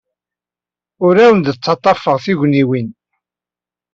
Ur awen-d-ttaḍḍafeɣ tugniwin.